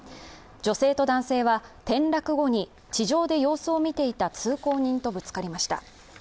女性と男性は転落後に、地上で様子を見ていた通行人とぶつかりました。